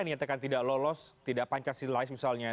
yang nyatakan tidak lolos tidak pancasilais misalnya